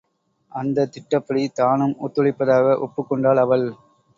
அந்தத் திட்டப்படி தானும் ஒத்துழைப்பதாக ஒப்புக் கொண்டாள் அவள்.